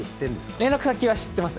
連絡先は知ってます。